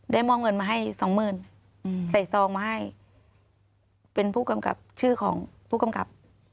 มอบเงินมาให้สองหมื่นใส่ซองมาให้เป็นผู้กำกับชื่อของผู้กำกับ